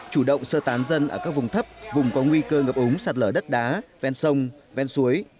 chủ động sơ tán dân ở các vùng thấp vùng có nguy cơ ngập ống sạt lở đất đá ven sông ven suối